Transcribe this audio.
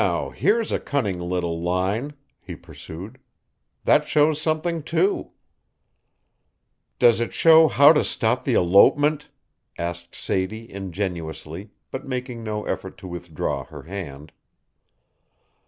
"Now here's a cunning little line," he pursued. "That shows something too." "Does it show how to stop the elopement?" asked Sadie, ingenuously, but making no effort to withdraw her hand.